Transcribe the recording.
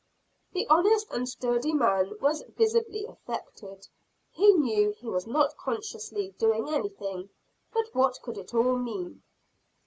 The honest and sturdy man was visibly affected. He knew he was not consciously doing anything; but what could it all mean?